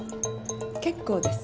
結構です。